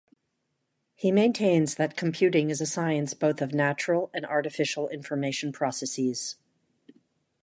He maintains that computing is a science both of natural and artificial information processes.